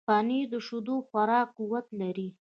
پنېر د شیدو خوراکي قوت لري.